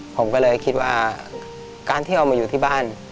ผมก็เลยคิดว่าการที่เอามาอยู่ที่บ้าน